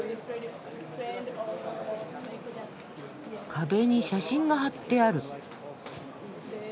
壁に写真が貼ってある。